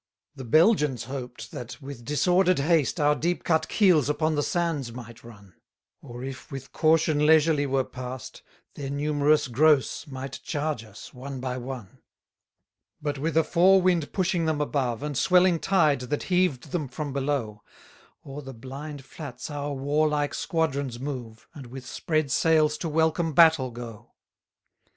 182 The Belgians hoped, that, with disorder'd haste, Our deep cut keels upon the sands might run: Or, if with caution leisurely were past, Their numerous gross might charge us one by one. 183 But with a fore wind pushing them above, And swelling tide that heaved them from below, O'er the blind flats our warlike squadrons move, And with spread sails to welcome battle go.